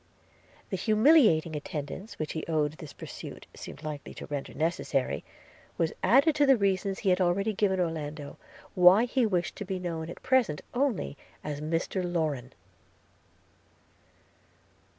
The humiliating attendance which he owned this pursuit seemed likely to render necessary, was added to the reasons he had already given Orlando, why he wished to be known at present only as Mr Lorrain.